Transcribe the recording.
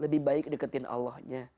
lebih baik deketin allahnya